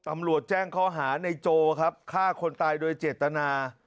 ตำรวจแจ้งข้อหาในโจครับฆ่าคนตายโดยเจตนา